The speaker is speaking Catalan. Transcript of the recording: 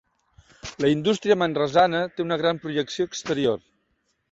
La indústria manresana té una gran projecció exterior.